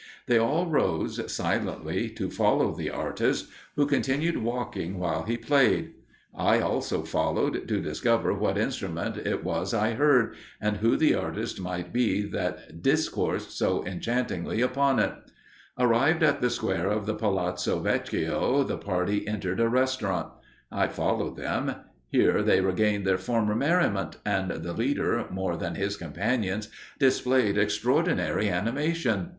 They all rose, silently, to follow the artist, who continued walking while he played. I also followed, to discover what instrument it was I heard, and who the artist might be that discoursed so enchantingly upon it. Arrived at the square of the Palazzo Vecchio, the party entered a restaurant. I followed them. Here they regained their former merriment, and the leader, more than his companions, displayed extraordinary animation.